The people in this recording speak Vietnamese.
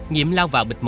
nhiệm lao vào bình thường